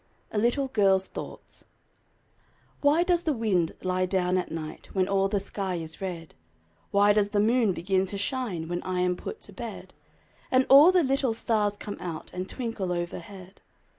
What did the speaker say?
A LITTLE GIRL'S THOUGHTS Why does the wind lie down at night When all the sky is red, Why does the moon begin to shine When I am put to bed, And all the little stars come out And twinkle overhead?